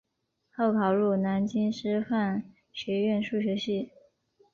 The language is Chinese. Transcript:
后考入南京师范学院数学系。